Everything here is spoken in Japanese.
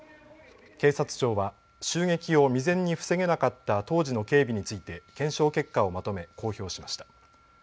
警察庁は襲撃を未然に防げなかった当時の警備について検証結果をまとめ公表しました。